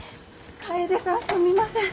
楓さんすみません。